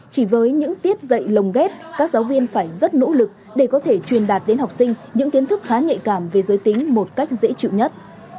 chỉ với những tiết dạy lồng ghép các giáo viên phải rất nỗ lực để có thể truyền đạt đến học sinh những kiến thức khá nhạy cảm về giới tính một cách dễ chịu nhất